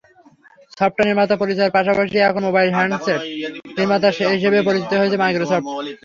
Software নির্মাতা পরিচয়ের পাশাপাশি এখন মোবাইল হ্যান্ডসেট নির্মাতা হিসেবেও পরিচিত হচ্ছে মাইক্রোসফট।